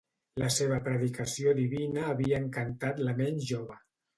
La seva predicació divina havia encantat la ment jove.